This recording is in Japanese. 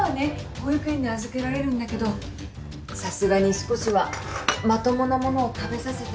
保育園に預けられるんだけどさすがに少しはまともな物を食べさせてあげたいと思ってて。